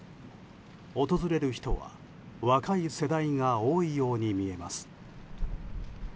訪れる人は若い世代が多いように見えます。